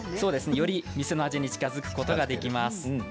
より店の味に近づくことができます。